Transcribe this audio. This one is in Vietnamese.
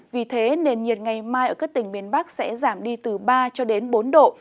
vì thế nền nhiệt ngày mai ở các tỉnh miền bắc sẽ giảm đi từ ba bốn độ